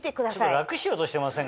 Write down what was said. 楽しようとしてませんか？